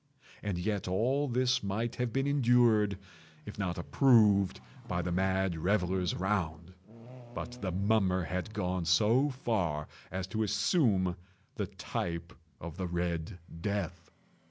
And yet all this might have been endured, if not approved, by the mad revellers around. But the mummer had gone so far as to assume the type of the Red Death.